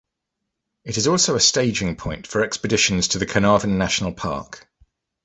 It is also a staging point for expeditions to the Carnarvon National Park.